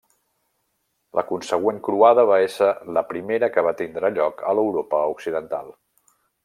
La consegüent croada va ésser la primera que va tindre lloc a l'Europa Occidental.